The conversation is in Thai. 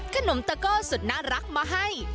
ขนมตะโก้สุดน่ารักมาให้